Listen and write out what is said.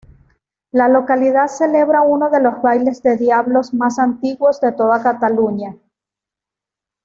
La localidad celebra uno de los bailes de diablos más antiguos de toda Cataluña.